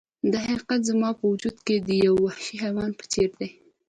دا حقیقت زما په وجود کې د یو وحشي حیوان په څیر دی